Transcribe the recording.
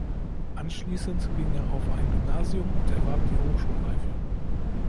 Anschließend ging er auf ein Gymnasium und erwarb die Hochschulreife.